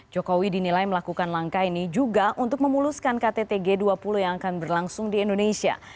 jokowi dinilai melakukan langkah ini juga untuk memuluskan ktt g dua puluh yang akan berlangsung di indonesia